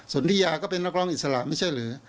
นทิยาก็เป็นนักร้องอิสระไม่ใช่หรือ